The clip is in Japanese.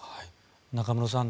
中室さん